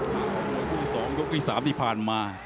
๒เย้นที่๓ที่ผ่านมา